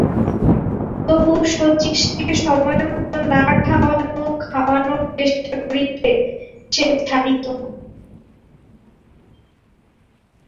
তবু শচীশকে সময়মত নাওয়ানো-খাওয়ানোর চেষ্টা করিতে সে ছাড়িত না।